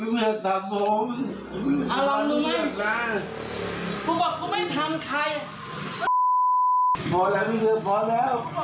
เซวนี่ใครล่ะ